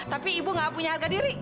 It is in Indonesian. tapi ibu gak punya harga diri